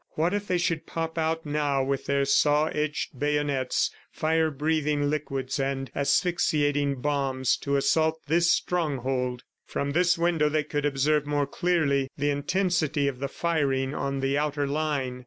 What if they should pop out now with their saw edged bayonets, fire breathing liquids and asphyxiating bombs to assault this stronghold! ... From this window they could observe more clearly the intensity of the firing on the outer line.